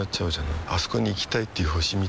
あそこに行きたいっていう星みたいなもんでさ